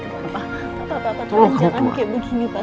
tolong kamu keluar